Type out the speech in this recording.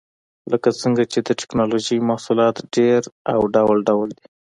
لکه څنګه چې د ټېکنالوجۍ محصولات ډېر او ډول ډول دي.